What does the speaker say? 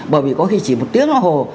bởi vì có khi chỉ một tiếng là hồ